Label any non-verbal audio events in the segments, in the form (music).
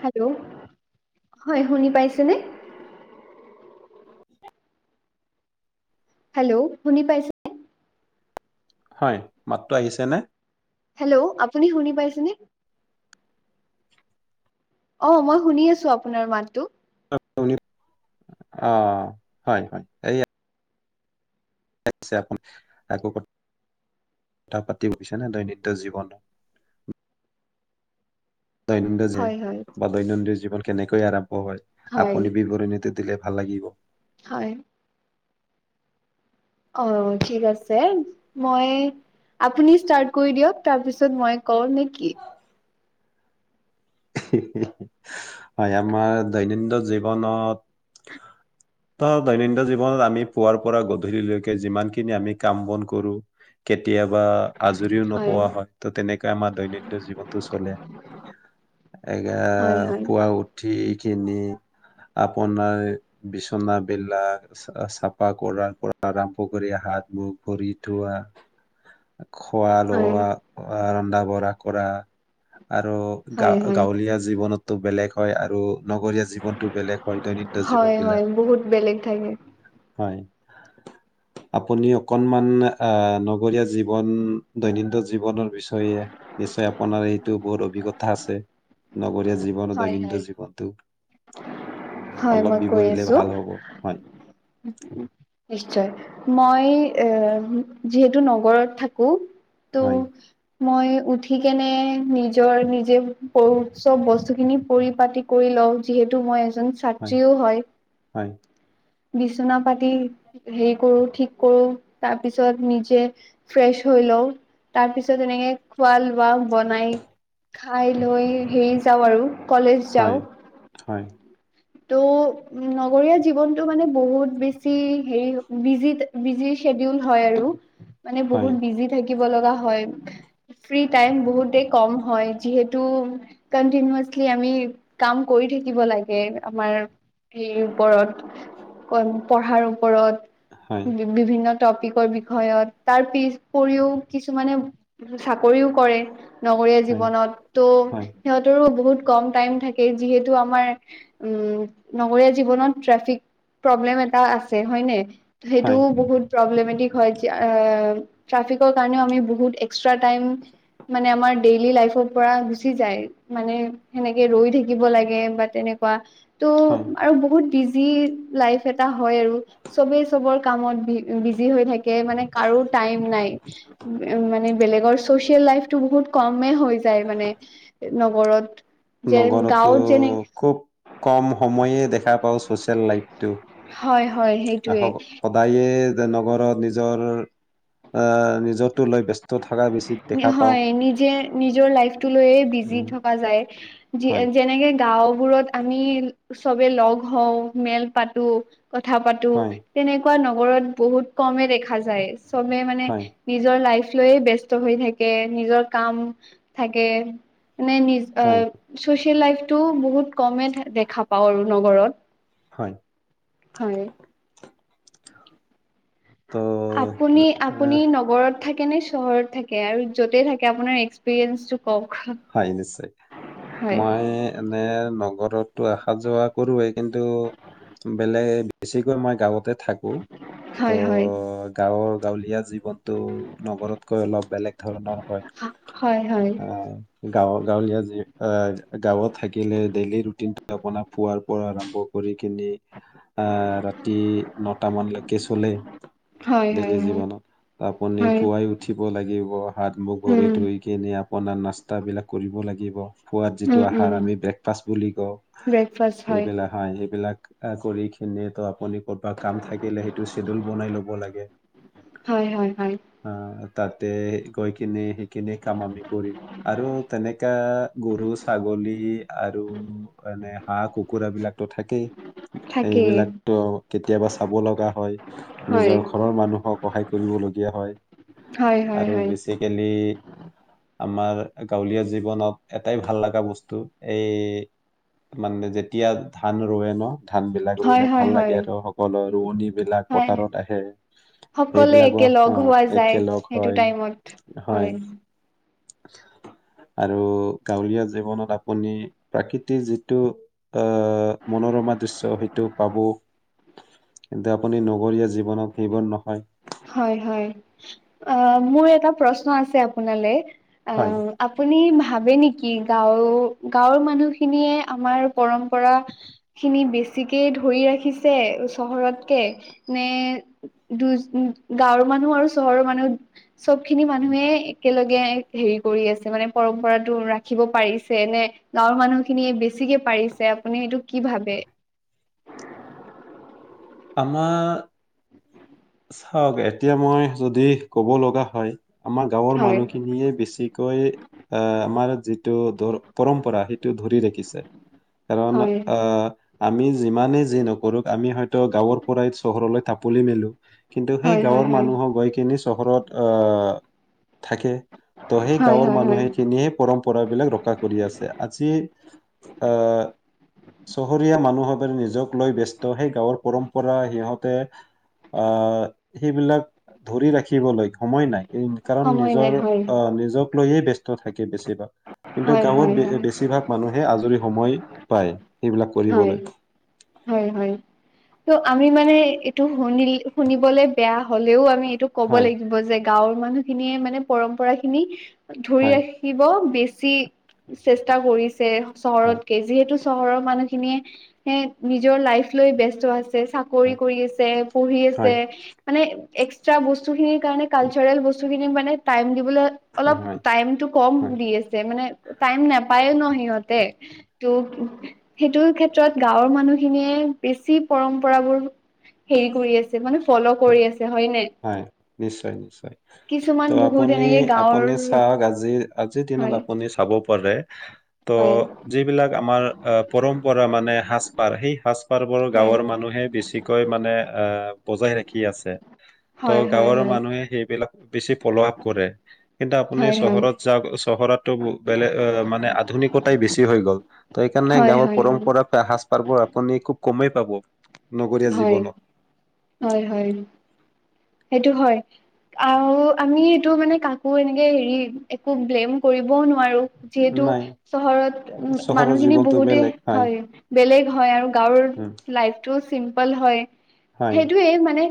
Hello, হয় শুনি পাইছে নে? (unintelligible) হেল্ল' শুনি পাইছে হয়, মাতটো আহিছেনে? হেল্ল' আপুনি শুনি পাইছেনে? অ' মই শুনি আছো, আপোনাৰ মাতটো। আপুনি, অ' হয় হয়। আচ্ছা। আকৌ ক, কথা পাতি বুজিছে নে দৈনন্দিন জীৱনত। দৈনন্দিন যে, হয় হয় বা দৈনন্দিন জীৱন কেনেকৈ আৰম্ভ হয়। হয় আপুনি বিৱৰণীটো দিলে ভাল লাগিব। হয়। অ' ঠিক আছে, মই আপুনি ষ্টাৰ্ট কৰি দিয়ক, তাৰ পিছত মই কওঁ নে কি? হিহি, হয় আমাৰ দৈনন্দিন জীৱনত (unintelligible) ত' দৈনন্দিন জীৱনত আমি পুৱাৰ পৰা গধূলিলৈকে যিমানখিনি আমি কাম বন কৰোঁ কেতিয়াবা আজৰিও নোপোৱা হয়, ত' তেনেকৈ আমাৰ দৈনন্দিন জীৱনটো চলে। এগে হয় হয় পুৱা উঠি কিনি আপোনাৰ বিছনা বিলাক চা-চাফা কৰাৰ পৰা আৰম্ভ কৰি হাত মুখ ভৰি ধোৱা। (unintelligible) খোৱা হয় লোৱা, অ' ৰন্ধা বঢ়া কৰা, আৰু। হয় হয় গা-গাঁৱলীয়া জীৱনতটো বেলেগ হয়, আৰু নগৰীয়া জীৱনটো বেলেগ হয়। দৈনন্দিন হয় জীৱন বিলাক, হয় বহুত বেলেগ থাকে। হয়। (unintelligible) আপুনি অকনমান আহ নগৰীয়া জীৱন, দৈনন্দিন জীৱনৰ বিষয়ে নিশ্চয়, আপোনাৰ এইটো বহুত অভিজ্ঞতা আছে, নগৰীয়া জীৱনত হয় হয় দৈনন্দিন জীৱনটো। হয় অলপ মই কৈ বিৱৰিলে আছো ভাল হ'ব, হয়। (unintelligible) নিশ্চয়, মই এ যিহেতু নগৰত থাকো হয়। ত' মই উঠি কেনে নিজৰ, নিজে চব বস্তু খিনি পৰিপাতি কৰি লওঁ, যিহেতু মই এজন ছাত্ৰীও হয়। হয়। বিচনা পাতি হেৰি কৰোঁ, ঠিক কৰোঁ, তাৰপিছত নিজে ফ্ৰেছ হৈ লওঁ, তাৰ পিছত এনেকে খোৱা লোৱা বনাই খাই লৈ হেৰি যাওঁ আৰু, কলেজ হয় যাওঁ। হয়। ত' উম, নগৰীয়া জীৱনতটো মানে বহুত বেছি হেৰি হয়, বিজি ট্য, বিজি শ্বেডিউল হয় আৰু, মানে বহুত বিজি থাকিব লগা হয়। ফ্ৰী টাইম বহুতে কম হয়, যিহেতু কাণ্টিনিৱাচলি আমি কাম কৰি থাকিব লাগে। আমাৰ হেৰিৰ ওপৰত, কন পঢ়াৰ ওপৰত। বিভিন্ন টপিকৰ বিষয়ত, তাৰ পিছ উপৰিও কিছুমানে চাকৰিও কৰে। নগৰীয়া জীৱনত, ত' সিহঁতৰো বহুত কম টাইম থাকে যিহেতু আমাৰ উম' নগৰীয়া জীৱনত ট্ৰেফিক প্ৰব্লেম এটা আছে হয়নে? সেইটোও বহুত প্ৰব্লেমেটিক হয় যে আ ট্ৰাফিকৰ কাৰণেও আমি বহুত এক্সট্ৰা টাইম, মানে আমাৰ ডেইলি লাইফৰ পৰা গুচি যায়, মানে সেনেকে ৰৈ থাকিব লাগে বা তেনেকুৱা। ত' আৰু বহুত বিজি লাইফ এটা হয় আৰু। চবেই চবৰ কামত বি বিজি হৈ থাকে মানে কাৰো টাইম নাই। উম' মানে বেলেগৰ চচিয়েল লাইফটো বহুত কমে হৈ যায় মানে। নগৰত। যে নগৰতো, গাঁৱত যেনে খুব কম সময়ে দেখা পাওঁ ছচিয়েল লাইফটো। হয় হয় সেইটোয়ে। দায়ে নগৰত নিজৰ আ নিজৰতো লৈ ব্যস্ত থাকা হয়, নিজে নিজৰ লাইফটো লৈয়ে বিজি উম, থকা যায়। হয়, যেনেকে গাঁওবোৰত আমি চবে লগ হওঁ, মেল পাতো। কথা পাতো হয়, তেনেকুৱা নগৰত বহুত কমে দেখা যায়, চবে মানে হয়, নিজৰ লাইফ লৈয়ে ব্যস্ত হৈ থাকে, নিজৰ কাম থাকে মানে আ হয়, চচিয়েল লাইফটো বহুত কমে দেখা পাওঁ আৰু নগৰত। হয়। হয়। তো আপুনি আহ, আপুনি নগৰত থাকে নে, চহৰত থাকে আৰু য'তে থাকে আপোনাৰ এক্সপিৰিয়েঞ্চটো কওঁক? হয় নিশ্চয়, মই এনে নগৰটো অহা যোৱা কৰোৱেই, কিন্তু বেলেগ বেছিকৈ আমাৰ গাঁৱতে থাক। হয় হয়। ত' গাঁৱৰ গাঁৱলীয়া জীৱন। ত' নগৰতকৈ অলপ বেলেগ ধৰণৰ হয়। গাঁৱ গাঁৱলীয়া যি গাঁৱত থাকিলে, ডেইলি ৰুটিনটো আপোনাৰ পুৱাৰ পৰা আৰম্ভ। কৰি কিনি, আ ৰাতি নটা মানলৈকে চলে। হয় হয় ডেইলি হয় জীৱনত, আপুনি হয় পুৱাই উঠিব লাগিব, হাত-মুখ ভৰি উম ধুই। কেনে আপোনাৰ নাস্তাবিলাক কৰিব লাগিব। পোৱাত উম যিটো উম আহাৰ আমি ব্ৰেকফাষ্ট বুলি কওঁ, এইবিলাক। হয়, সেইবিলাক কৰি কিনি ত' আপুনি কৰ'বা কাম থাকিলে, সেইটো চেডীওল বনাই ল'ব লাগে। হয় হয় হয়। অ' তাতে গৈ কিনে সেই খিনে কাম আমি কৰিম। আৰু তেনেকা গৰু, ছাগলী আৰু এনে হাঁহ, কুকুৰা বিলাক। ত' থাকেই থাকেই এইবিলাকতো কেতিয়াবা চাব লগা হয়। হয় নিজৰ ঘৰৰ মানুহক সহায় কৰিবলগীয়া হয়। হয় হয় হয়। আজিকালি আমাৰ গাঁৱলীয়া জীৱনত এটাই ভাল লগা বস্তু, এই মানে, যেতিয়া ধান ৰুৱে ন'। ধানবিলাক হয় ৰুলে হয় ভাল লাগে হয় আৰু সকলো ৰোৱনীবিলাক হয় পথাৰত আহে। সকলোৱে সেইবিলাকো একে লগ অ হোৱা যায় একেলগ সেইটো হয় টাইমত হয়। আৰু গাঁওলীয়া জীৱনত আপুনি প্ৰাকৃতিৰ যিটো আহ মনোৰমা দৃশ্য সেইটো পাব কিন্তু আপুনি নগৰীয়া জীৱনত সেইবোৰ নহয়। হয় হয়, আ মোৰ এটা প্ৰশ্ন আছে আপোনালৈ অ হয় আপুনি ভাবে নেকি গাওঁ গাওঁৰ মানুহখিনিয়ে আমাৰ পৰম্পৰা খিনি বেছিকেই ধৰি ৰাখিছে চহৰতকে নে দুজ ও গাঁওৰ মানুহ আৰু চহৰৰ মানুহ চবখিনি মানুহে একেলগে হেৰি কৰি আছে মানে পৰম্পৰাটো ৰাখিব পাৰিছে নে গাঁওৰ মানুহখিনিয়ে বেছিকে পাৰিছে আপুনি এইটো কি ভাবে? আমাৰ চাওঁক এতিয়া মই যদি ক'ব লগা হয় আমাৰ গাঁওৰ হয় মানুহখিনিয়ে বেছিকৈ এ আমাৰ যিটো দৰ পৰম্পৰা সেইটো ধৰি ৰাখিছে। কাৰণ হয় আ আমি যিমানেই যি নকৰোক আমি হয়তো গাঁওৰ পৰাই চহৰলৈ থাপলি মেলোঁ। কিন্তু সেই হয় হয় গাঁওৰ হয় মানুহো গৈ কিনি চহৰত অ থাকে। ত সেই হয় গাঁওৰ হয় হয় মানুহে খিনি পৰম্পৰাবিলাক ৰক্ষা কৰি আছে, আজি আহ চহৰীয়া মানুহবে নিজক লৈ ব্যস্ত সেই গাঁওৰ পৰম্পৰা সিহঁতে অ, সেইবিলাক ধৰি ৰাখিবলৈ সময় নাই। ওম কাৰণ সময় নাই নিজৰ হয় আ নিজক লৈয়ে ব্যস্ত থাকে বেছিভাগ। কিন্তু হয় হয় গাওঁত বে হয় বেছিভাগ মানুহে আজৰি সময় পায় সেইবিলাক হয় কৰিবলৈ। হয় হয়। ত আমি মানে এইটো শুনি শুনিবলে বেয়া হলেওঁ আমি এইটো ক'ব হয় লাগিব যে গাঁওৰ মানুহখিনিয়ে মানে পৰম্পৰাখিনি ধৰি হয় ৰাখি খিব বেছি চেষ্টা কৰিছে হয় চহৰতকে যিহেতু চহৰৰ মানুহ খিনিয়ে এ নিজৰ লাইফ লৈ বেস্ত আছে চা কৰি হয় কৰি আছে, পঢ়ি আছে হয় মানে এক্সট্ৰা বস্তুখিনিৰ কাৰনে কালচাৰেল বস তোখিনি মানে টাইম দিবলৈ অলপ হয় টাইমটো কম হয় দি আছে মানে টাইম নাপায়ে ন সিহঁতে তো সেইটোৰ ক্ষেত্ৰত গাওঁৰ মানুহখিনিয়ে বেছি পৰম্পৰাবোৰ হেৰি কৰি আছে মানে ফল' হয় কৰি আছে হয় নে? নিশ্চয় নিশ্চয়। ত' কিছুমান বহুত আপুনি এনেকে গাঁৱৰ আপুনি চাওঁক আজি আজিৰ দিনত হয় আপুনি চাব গ'লে ত হয় যিবিলাক আমাৰ আ পৰম্পৰা মানে সাজ - পাৰ সেই সাজ - পাৰবোৰ হয় গাওঁৰ মানুহে বেছিক কৈ মানে আ বজাই ৰা ছে, ত হয় হয় গাওঁৰ হয় মানুহে সেইবিলাক বেছি ফল' আপ কৰে। কিন্তু আপুনি হয় হয় চহৰত যাওঁক, চহৰত ত ব বেলেগ এ মানে আধুনিকতাই বেছি হৈ গ'ল ত সেইকাৰণে হয় হয় গাঁওৰ পৰম্পৰা হয় বা সাজ পাৰবোৰ আপুনি খুব কমেই পাব নগৰীয়া হয় জীৱনত। হয় হয়। সেইটো হয় আৰু আমি এইটো মানে কাক একো এনেকে হেৰি একো ব্লেম কৰিবওঁ নোৱাৰো যিহেতু নাই চহৰত চহৰৰ মানুহখিনি জীৱনটো বহুতে বেলেগ হয় বেলেগ হয়, আৰু গাওঁৰ উম, লাইফ টো চিম্পল হয় হয় সেইটোৱেই মানে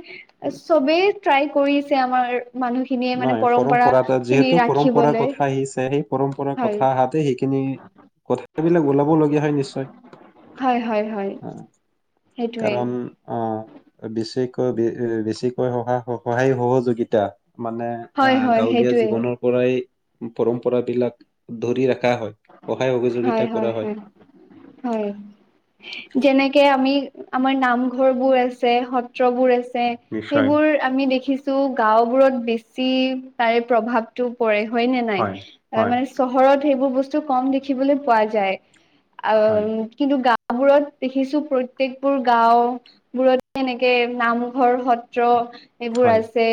চবেই ট্ৰাই কৰিছে আমাৰ মানুহ খি নাই পৰম্পৰাত যিহেতু পৰম্পৰাৰ ৰাখিবলৈ কথা আহিছে, সেই পৰম্পৰাৰ হয় কথা আহাতে সেইখিনি কথাবিলাক ওলাবলগীয়া হয় নিশ্চয়! হয় হয় হয়। আহ, সেইটোৱে কাৰণ অ, বেছিকৈ বে বেছিকৈ সহায় সহায় সহযোগিতা মানে আ, হয় হয় গাঁৱলীয়া সেইটোৱে জীৱনৰ পৰাই পৰম্পৰা বিলাক ধৰি ৰখা হয়। সহায় সহযোগিতা হয় কৰা হয় হয়, হয়। যেনেকে আমি, আমাৰ নামঘৰবোৰ আছে, সত্ৰবোৰ আছে। নিশ্চয় সেইবোৰ আমি দেখিছোঁ, গাঁওবোৰত বেছি তাৰে প্ৰভাৱ টো পৰে হয় নে নাই? এ মানে চহৰত সেইবোৰ বস্তু কম দেখিবলৈ পোৱা যায়। হয় আম কিন্তু গাঁওবোৰত দেখিছোঁ প্ৰত্যকবোৰ গাঁও বোৰত এনেকে নামঘৰ, সত্ৰ এইবোৰ হয় আছে।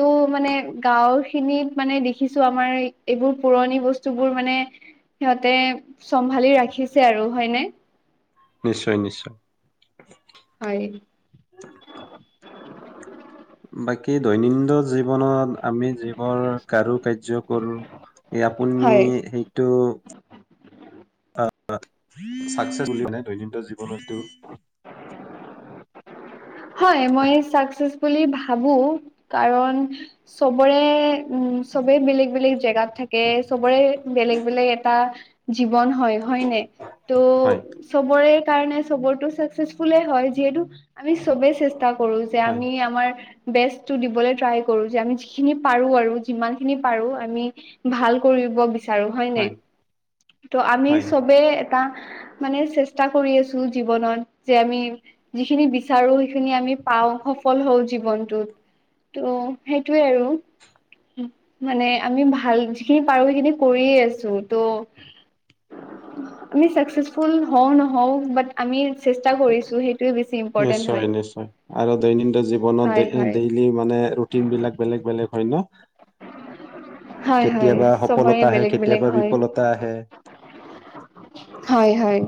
টো মানে গাঁওখিনিত মানে দেখিছোঁ আমাৰ এইবোৰ পুৰণি বস্তুবোৰ মানে সিহঁতে চম্ভালি ৰাখিছে আৰু হয়নে? নিশ্চয়, নিশ্চয়। হয়। বাকী, দৈনিন্দন জীৱনত আমি যিবোৰ কাৰুকাৰ্য্য কৰোঁ, এ আপুনি হয়। সেই টো (unintelligible) চাকচেছ বুলি মানিলে দৈনন্দ জীৱনটো হয়, মই চাকচেছ বুলি ভাবোঁ, কাৰণ চবৰে উম চবেই বেলেগ বেলেগ জেগাত থাকে, চবৰে বেলেগ বেলেগ এটা, জীৱন হয়। হয়নে? ত' হয় চবৰে কাৰণে চবৰটো চাকচেছফুলে হয়। যিহেতু আমি চবেই চেষ্টা কৰো যে হয় আমি আমাৰ বেষ্টটো দিবলৈ ট্ৰাই কৰো, যে আমি যিখিনি পাৰো আৰু যিমান খিনি পাৰো আমি ভাল কৰিব বিচাৰো, হয় নাই? ত' আমি হয় চবে এটা মানে চেষ্টা কৰি আছো জীৱনত, যে আমি যিখিনি বিচ চাৰো সেইখিনি আমি পাওঁ, সফল হওঁ জীৱনটোত, ত' সেইটোৱে আৰু। মানে আমি ভাল যিখিনি পাৰোঁ, সেইখিনি পাৰোঁ সেইখিনি কৰিয়ে আছোঁ, ত' আপুনি চাকচেছফুল হওঁ নহওঁ বাত্ আমি চেষ্টা কৰিছোঁ সেইটোৱে বেছি ইম নিশ্চয়, নিশ্চয়। আৰু দৈনন্দিন জীৱনত হয় দৈ হয় দেই লি মানে ৰুটিনবিলাক বেলেগ বেলেগ হয় ন। হয়, হয়, কেতিয়াবা চবৰে সফলতা আহে বেলেগ বেলেগ কেতিয়াবা হয়। বিফলতা আহে হয়, হয়।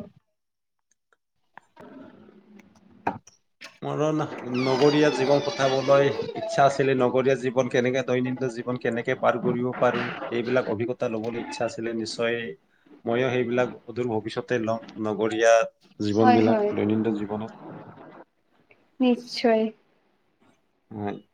(inaudible) মোৰো না নগৰীয়া জীৱন কটাবলৈ ইচ্ছা আছিলে, নগৰীয়া জীৱন কেনেকে দৈনিন্দ জীৱন কেনেকে পাৰ কৰিব পাৰোঁ। সেইবিলাক অভিজ্ঞতা ল'বলৈ ইচ্ছা আছিলে নিশ্চয় ময়ো সেইবিলাক সুদূৰ ভৱিষ্যতে লম, নগৰীয়া জীৱন হয় বিলাক, হয় দৈনিন্দ জীৱনত। নিশ্চয়। (unintelligible)